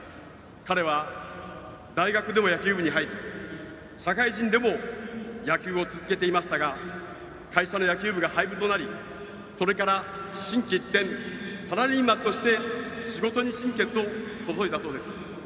彼は大学でも野球部に入り社会人でも野球を続けていましたが会社の野球が廃部となりそれから心機一転サラリーマンとして仕事に心血を注いだそうです。